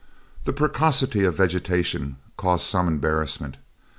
The precocity of vegetation caused some embarrassment.